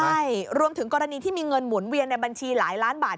ใช่รวมถึงกรณีที่มีเงินหมุนเวียนในบัญชีหลายล้านบาท